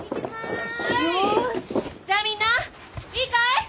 じゃあみんないいかい？